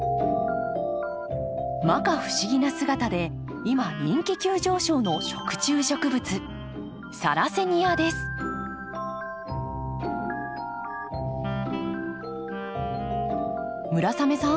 摩訶不思議な姿で今人気急上昇の村雨さん